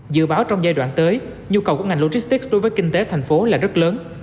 dự báo trong giai đoạn tới nhu cầu của ngành logistics đối với kinh tế thành phố là rất lớn